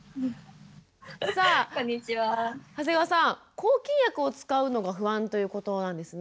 抗菌薬を使うのが不安ということなんですね。